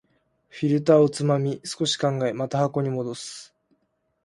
フィルターをつまみ、少し考え、また箱に戻す